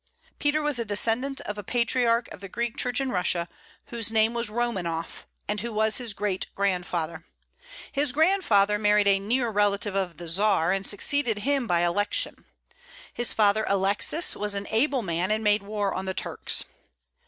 Peter was a descendant of a patriarch of the Greek Church in Russia, whose name was Romanoff, and who was his great grandfather. His grandfather married a near relative of the Czar, and succeeded him by election. His father, Alexis, was an able man, and made war on the Turks.